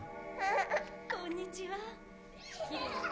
こんにちは。